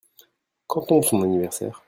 Quand tombe son anniversaire ?